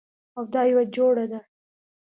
او دا یوه جوړه ده